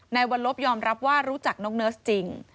วันลบยอมรับว่ารู้จักน้องเนิร์สจริง